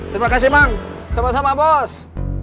terima kasih bang sama sama bos